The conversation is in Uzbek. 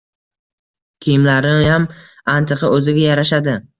Kiyimlariyam antiqa, o`ziga yarashadi